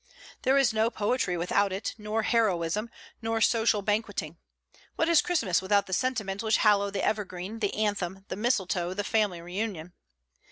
There is no poetry without it, nor heroism, nor social banqueting. What is Christmas without the sentiments which hallow the evergreen, the anthem, the mistletoe, the family reunion?